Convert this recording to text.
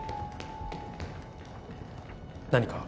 何か？